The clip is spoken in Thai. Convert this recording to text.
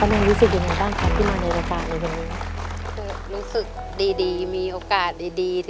รู้สึกดีมีโอกาสดี